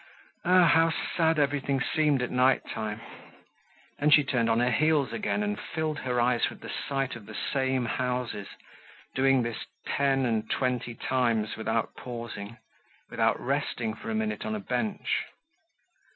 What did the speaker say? Ah! how sad everything seemed at night time! Then she turned on her heels again and filled her eyes with the sight of the same houses, doing this ten and twenty times without pausing, without resting for a minute on a bench.